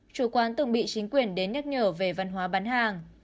chủ quán từng bị chính quyền đến nhắc nhở về văn hóa bán hàng